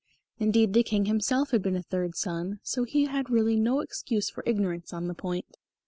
Indeed, the King himself had been a third son, so he had really no excuse for ignorance on the point.